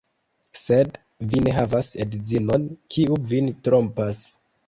Sed vi ne havas edzinon, kiu vin trompas.